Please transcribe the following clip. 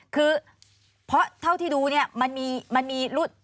คือเพราะเท่าที่ดูเนี่ยมันมีรูด